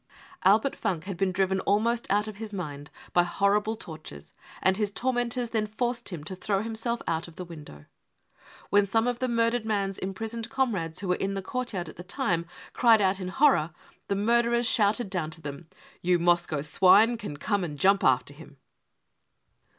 Albert Funk had been driven almost out of his mind by horrible tortures, and his tormentors then forced him to throw himself out of the window. When some of the murdered man's imprisoned comrades who were in the courtyard at the time cried out in horror, the murderers shouted down to them : "You Moscow swine can come and jump after him